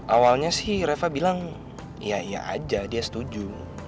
awalnya sih reva bilang ya ya aja dia setuju